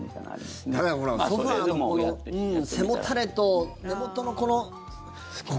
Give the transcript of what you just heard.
ソファのこの背もたれと根元のこの。